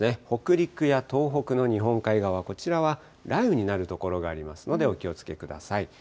北陸や東北の日本海側、こちらは雷雨になる所がありますので、お気をつけください。